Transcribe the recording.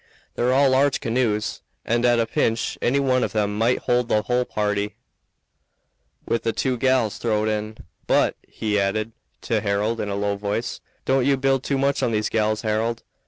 They're all large canoes, and at a pinch any one of them might hold the hull party, with the two gals throwed in. But," he added to Harold in a low voice, "don't you build too much on these gals, Harold.